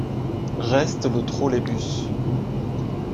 Reste le trolleybus.